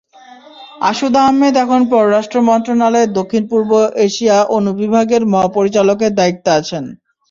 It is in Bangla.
আশুদ আহমেদ এখন পররাষ্ট্র মন্ত্রণালয়ের দক্ষিণ-পূর্ব এশিয়া অনুবিভাগের মহাপরিচালকের দায়িত্বে আছেন।